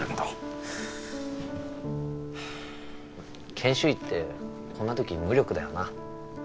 研修医ってこんな時無力だよな。